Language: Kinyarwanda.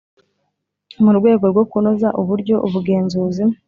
Mu rwego rwo kunoza uburyo ubugenzuzi